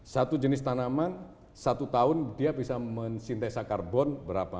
satu jenis tanaman satu tahun dia bisa mensintesa karbon berapa